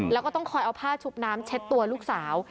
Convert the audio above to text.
แล้วก็ต้องคอยเอาผ้าชุบน้ำเช็ดตัวลูกสาว